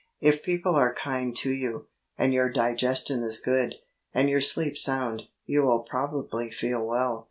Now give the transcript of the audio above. If people are kind to you, and your digestion is good, and your sleep sound, you will probably feel well.